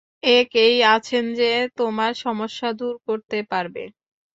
এক এই আছেন যে তোমার সমস্যা দূর করতে পারবে।